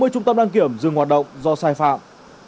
ba mươi trung tâm đăng kiểm dừng hoạt động do sai phạm